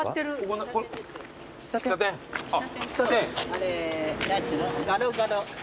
あれ何て言うの？